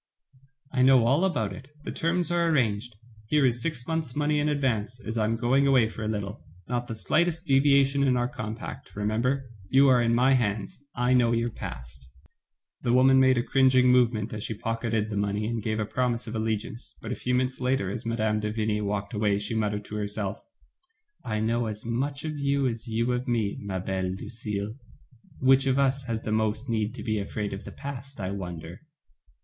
"I know all about it, the terms are arranged. Here is six months* money in advance, as I am going away for a little. Not the slightest devia tion in our compact, remember. You are in my hands, I know your past." The woman made a cringing movement as she pocketed the money, and gave a promise of allegiance, but a few minutes later, as Mme. de Vigny walked away, she muttered to herself: "I know as much of you as you of me, ma belle Lucille. Which of us has the most need to be afraid of the past, I wonder?"